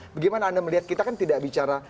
bagaimana anda melihat kita kan tidak bicara